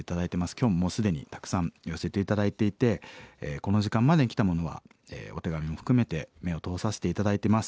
今日ももう既にたくさん寄せて頂いていてこの時間までに来たものはお手紙も含めて目を通させて頂いてます。